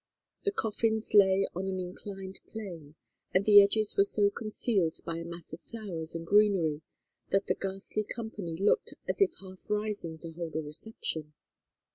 The coffins lay on an inclined plane and the edges were so concealed by a mass of flowers and greenery that the ghastly company looked as if half rising to hold a reception.